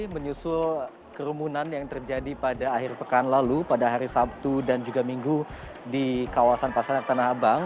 menyusul kerumunan yang terjadi pada akhir pekan lalu pada hari sabtu dan juga minggu di kawasan pasar tanah abang